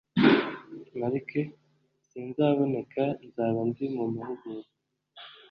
marc : sinzaboneka. nzaba ndi mu mahugurwa..